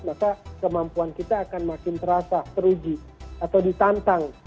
maka kemampuan kita akan makin terasa teruji atau ditantang